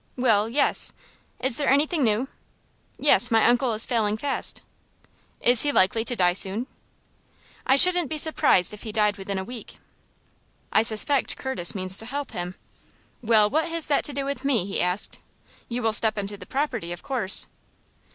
"Well, yes." "Is there anything new?" "Yes, my uncle is failing fast." "Is he likely to die soon?" "I shouldn't be surprised if he died within a week." "I suspect Curtis means to help him! Well, what has that to do with me?" he asked. "You will step into the property, of course?"